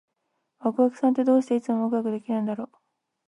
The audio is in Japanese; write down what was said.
ワクワクさんって、どうしていつもワクワクできるんだろう？